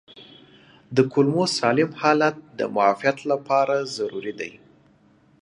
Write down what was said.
د کولمو سالم حالت د معافیت لپاره ضروري دی.